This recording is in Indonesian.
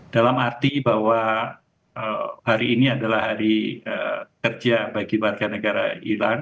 dalam arti bahwa hari ini adalah hari kerja bagi warga negara iran